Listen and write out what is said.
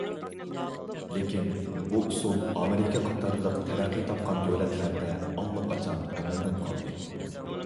لېكىن، بۇ ئۇسۇل ئامېرىكا قاتارلىق تەرەققىي تاپقان دۆلەتلەردە ئاللىقاچان ئەمەلدىن قالدى.